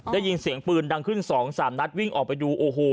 ได้ยินเสียงปืนดังขึ้น๒๓นัดวิ่งออกไปดูโอ้โห